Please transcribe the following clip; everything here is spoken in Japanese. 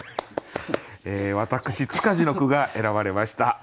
私塚地の句が選ばれました。